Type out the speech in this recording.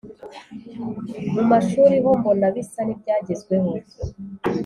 Mu mashuri ho mbona bisa n’ibyagezweho,